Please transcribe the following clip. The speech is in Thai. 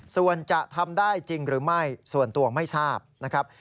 ส่วนจะทำได้จริงหรือไม่ส่วนตัวไม่ทราบนะครับ